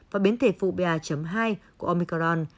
và biến thể phụ pa hai của omicron